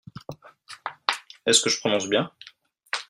Est-ce que je prononce bien ?